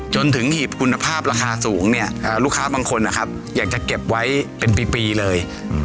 หีบคุณภาพราคาสูงเนี่ยลูกค้าบางคนนะครับอยากจะเก็บไว้เป็นปีเลย